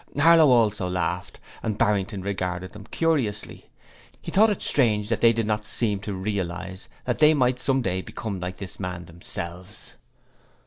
Harlow also laughed, and Barrington regarded them curiously. He thought it strange that they did not seem to realize that they might some day become like this man themselves.